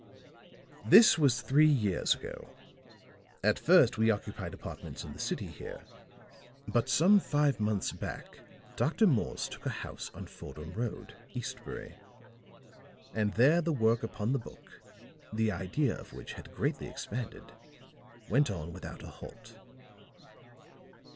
This was three years ago; at first we occupied apartments in the city here; but some five months back, Dr. Morse took a house on Fordham Road, Eastbury; and there the work upon the book, the idea of which had greatly expanded, went on without a halt.